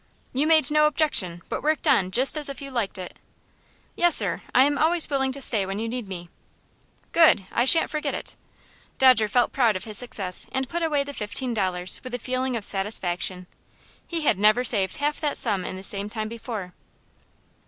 "You made no objection, but worked on just as if you liked it." "Yes, sir; I am always willing to stay when you need me." "Good! I shan't forget it." Dodger felt proud of his success, and put away the fifteen dollars with a feeling of satisfaction. He had never saved half that sum in the same time before.